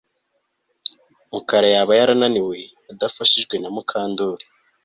Mukara yaba yarananiwe adafashijwe na Mukandoli